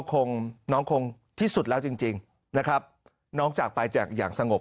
คงน้องคงที่สุดแล้วจริงจริงนะครับน้องจากไปจากอย่างสงบ